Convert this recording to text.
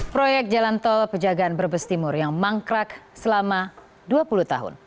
proyek jalan tol pejagaan brebes timur yang mangkrak selama dua puluh tahun